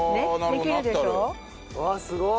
うわっすごい！